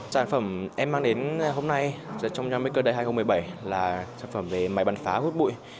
sản phẩm em mang đến hôm nay trong young maker days hai nghìn một mươi bảy là sản phẩm về máy bắn phá hút bụi